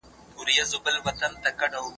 ګډ تړون د خلګو ترمنځ اعتماد پیدا کوي.